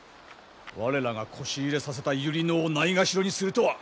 我らがこし入れさせた百合野をないがしろにするとは。